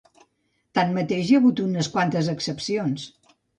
Tanmateix, hi ha hagut unes quantes excepcions.